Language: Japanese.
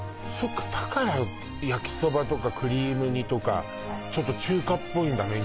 そっかだから焼きそばとかクリーム煮とかちょっと中華っぽいんだ